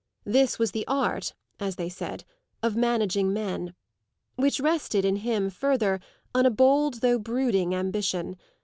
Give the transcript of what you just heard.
This was the art, as they said, of managing men which rested, in him, further, on a bold though brooding ambition.